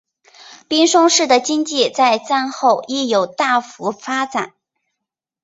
滨松市的经济在战后亦有大幅发展。